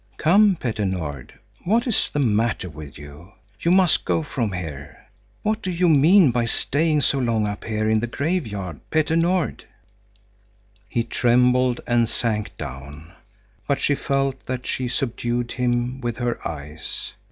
"Come, Petter Nord, what is the matter with you? You must go from here! What do you mean by staying so long up here in the graveyard, Petter Nord?" He trembled and sank down. But she felt that she subdued him with her eyes.